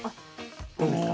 どうですか？